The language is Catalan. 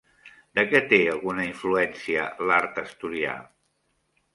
De què té alguna influència l'art asturià?